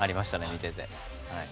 見ていて。